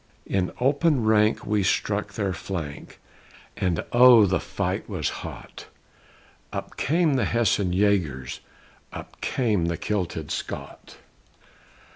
In open rank we struck their flank, And oh! the fight was hot! Up came the Hessian Yagers! Up came the kilted Scot!